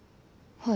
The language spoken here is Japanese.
はい。